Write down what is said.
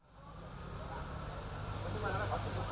hano farm công ty trách nhiệm ưu hạn vcv sông đà